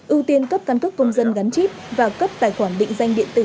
ưu tiên cấp căn cước công dân gắn chip và cấp tài khoản định danh điện tử